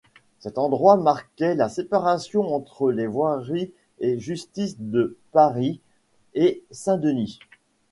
Cet endroit marquait la séparation entre les voiries et justices de Paris et Saint-Denis.